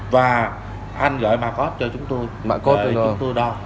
và anh gửi mạng code cho chúng tôi để chúng tôi đo